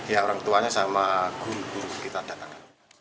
ya orang tuanya sama guru guru kita datangkan